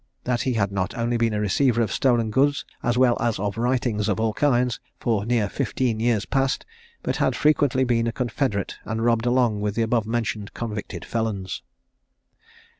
That he had not only been a receiver of stolen goods, as well as of writings of all kinds, for near fifteen years past, but had frequently been a confederate, and robbed along with the above mentioned convicted felons.